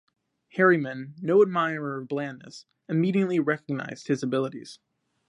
Harriman, no admirer of blandness, immediately recognized his abilities.